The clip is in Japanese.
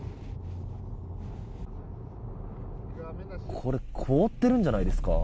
これ、凍ってるんじゃないですか。